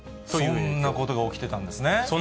そんなことが起きてたんです。